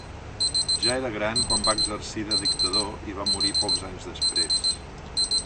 Ja era gran quan va exercir de dictador i va morir pocs anys després.